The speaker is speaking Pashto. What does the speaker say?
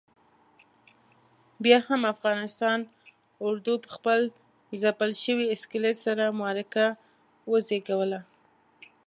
بیا هم افغانستان اردو پخپل ځپل شوي اسکلیت سره معرکه وزېږوله.